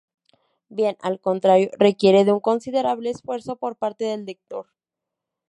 Bien al contrario requiere de un considerable esfuerzo por parte del lector.